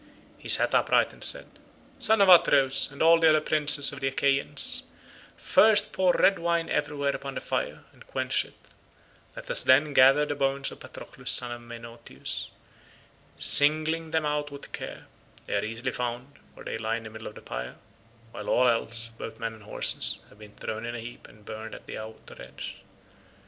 He sat upright and said, "Son of Atreus, and all other princes of the Achaeans, first pour red wine everywhere upon the fire and quench it; let us then gather the bones of Patroclus son of Menoetius, singling them out with care; they are easily found, for they lie in the middle of the pyre, while all else, both men and horses, has been thrown in a heap and burned at the outer edge.